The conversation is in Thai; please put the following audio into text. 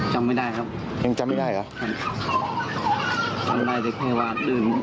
จำไม่ได้ครับยังจำไม่ได้เหรอจำได้แต่แค่ว่าเรื่อง